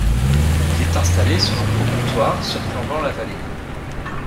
Il est installé sur un promontoire surplombant la vallée.